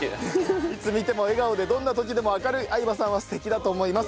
いつ見ても笑顔でどんな時でも明るい相葉さんは素敵だと思います。